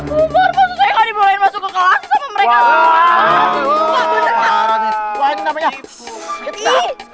umar pas saya gak dibolehin masuk ke kelas sama mereka semua